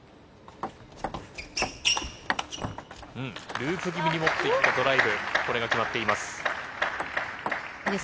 ループ気味に持っていったドライブ、これが決まっています。